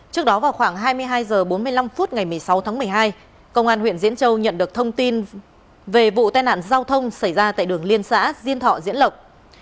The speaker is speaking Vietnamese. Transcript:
trước đó vào khoảng hai mươi hai h bốn mươi năm phút ngày một mươi sáu tháng một mươi hai công an huyện diễn châu nhận được thông tin về vụ tai nạn giao thông xảy ra tại đường liên xã diên thọ diễn lộc